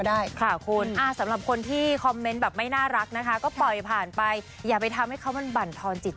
ดีกว่านะคะคุณ